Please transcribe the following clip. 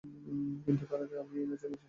কিন্তু তার আগে আমি এই নাচের মজলিশ যেখানে চলছিল।